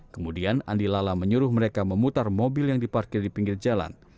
kemudian andi lala menyuruh mereka memutar mobil yang diparkir di pinggir jalan